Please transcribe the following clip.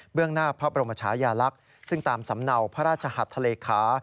หน้าพระบรมชายาลักษณ์ซึ่งตามสำเนาพระราชหัสทะเลขา